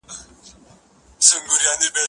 کېدای سي ونه وچه سي،